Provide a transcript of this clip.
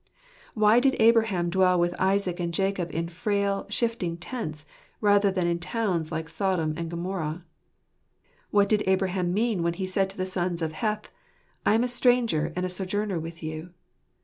Why did Abraham dwell with Isaac and Jacob in frail, shifting tents, rather than in towns like Sodom and Gomorrah? What did Abraham mean when he said to the sons of Heth, "I am a stranger and a sojourner with you"?